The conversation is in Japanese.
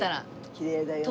きれいだよね。